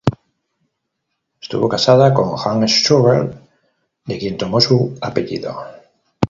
Estuvo casada con Hans Strobel, de quien tomó su apellido.